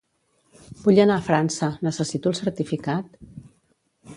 Vull anar a França, necessito el certificat?